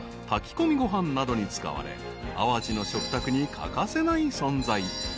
炊き込みご飯などに使われ淡路の食卓に欠かせない存在］